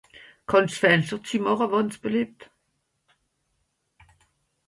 Kann'sch s'Fenschter züemache wann's beliebt?